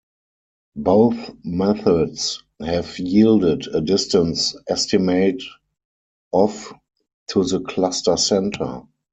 Both methods have yielded a distance estimate of to the cluster center.